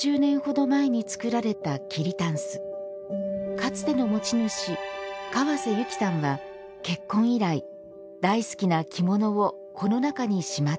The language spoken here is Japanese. かつての持ち主川瀬ゆきさんは結婚以来大好きな着物をこの中にしまってきたそう。